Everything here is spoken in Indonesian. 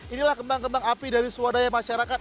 inilah kembang kembang api dari swadaya masyarakat